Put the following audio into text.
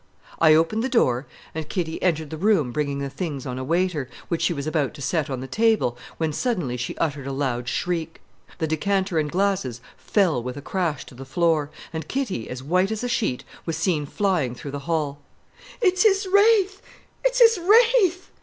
I opened the door, and Kitty entered the room bringing the things on a waiter, which she was about to set on the table, when suddenly she uttered a loud shriek; the decanter and glasses fell with a crash to the floor, and Kitty, as white as a sheet, was seen flying through the hall. "It's his wraith! It's his wraith!"'